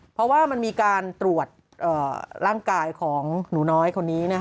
เพราะว่ามันมีการตรวจร่างกายของหนูน้อยคนนี้